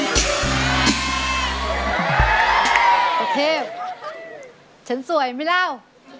เจ้าเทพฉันสวยไหมแล้ว